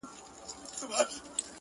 د بابا په باور د استعمار اغېز